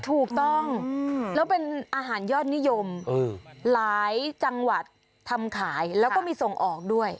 ถูกต้องแล้วเป็นอาหารยอดนิยมหลายจังหวัดทำขายแล้วก็มีส่งออกด้วย